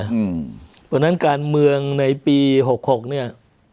เพราะฉะนั้นการเมืองในปี๖๖เนี่ย